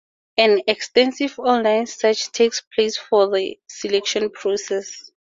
An extensive online search takes place for the selection process.